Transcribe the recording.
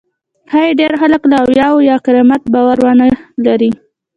ښایي ډېر خلک د اولیاوو پر کرامت باور ونه لري.